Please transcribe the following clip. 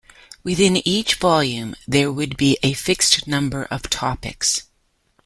Within each volume there would be a fixed number of topics.